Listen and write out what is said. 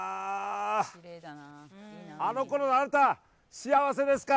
あのころのあんた、幸せですか？